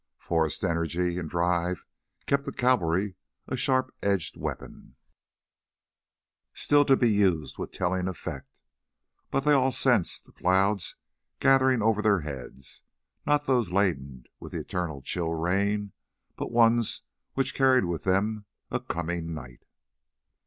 Forrest's energy and drive kept the cavalry a sharp edged weapon, still to be used with telling effect. But they all sensed the clouds gathering over their heads, not those laden with the eternal chill rain, but ones which carried with them a coming night.